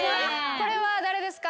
これは誰ですか？